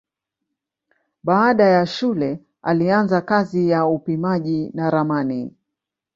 Baada ya shule alianza kazi ya upimaji na ramani.